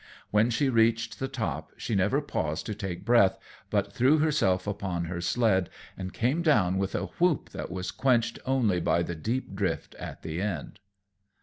When she reached the top she never paused to take breath, but threw herself upon her sled and came down with a whoop that was quenched only by the deep drift at the end.